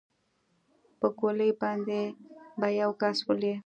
په ګولۍ باندې به يو کس ولې.